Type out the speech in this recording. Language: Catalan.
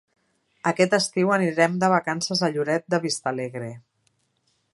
Aquest estiu anirem de vacances a Lloret de Vistalegre.